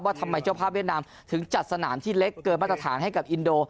ทำไมเจ้าภาพเวียดนามถึงจัดสนามที่เล็กเกินมาตรฐานให้กับอินโด